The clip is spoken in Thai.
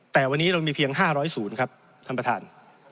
แต่วันนี้เรามีเพียง๕๐๐ศูนย์ครับท่านประธาน